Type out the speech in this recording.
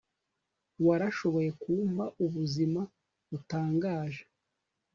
warashoboye kumpa ubuzima butangaje